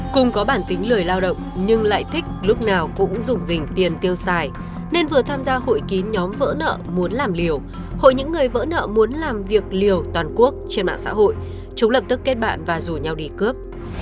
cùng có bản tính lười lao động nhưng lại thích lúc nào cũng dùng dình tiền tiêu xài nên vừa tham gia hội kín nhóm vỡ nợ muốn làm liều hội những người vỡ nợ muốn làm việc liều toàn quốc trên mạng xã hội chúng lập tức kết bạn và rủ nhau đi cướp